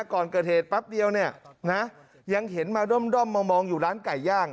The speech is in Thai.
ก่อนเกิดเหตุแป๊บเดียวเนี่ยนะยังเห็นมาด้อมมามองอยู่ร้านไก่ย่าง